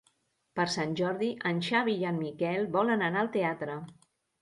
Per Sant Jordi en Xavi i en Miquel volen anar al teatre.